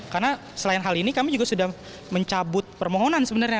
karena selain hal ini kami juga sudah mencabut permohonan sebenarnya